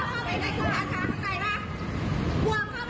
กลับมาเล่าให้ฟังครับ